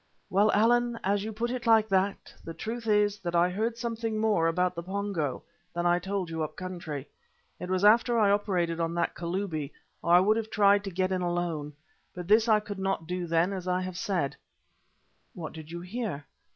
"Well, Allan, as you put it like that, the truth is that I heard something more about the Pongo than I told you up country. It was after I had operated on that Kalubi, or I would have tried to get in alone. But this I could not do then as I have said." "And what did you hear?"